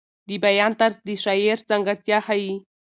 د بیان طرز د شاعر ځانګړتیا ښیي.